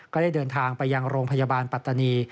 ก็ได้เดินทางไปยังโรงพยาบาลปัตตานี